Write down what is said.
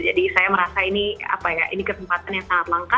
jadi saya merasa ini kesempatan yang sangat langka